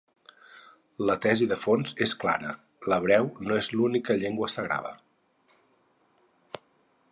La tesi de fons és clara: l'hebreu no és l'única llengua sagrada.